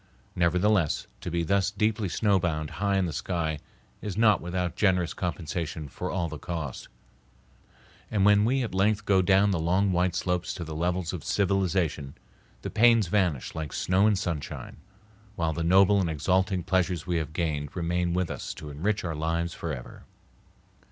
Nevertheless, to be thus deeply snowbound high in the sky is not without generous compensation for all the cost. And when we at length go down the long white slopes to the levels of civilization, the pains vanish like snow in sunshine, while the noble and exalting pleasures we have gained remain with us to enrich our lives forever.